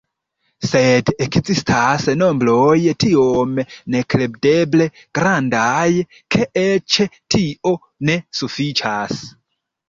Sed ekzistas nombroj tiom nekredeble grandaj, ke eĉ tio ne sufiĉas.